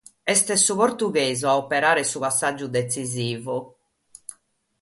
Est su portughesu a operare su passàgiu detzisivu.